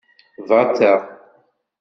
Bateɣ.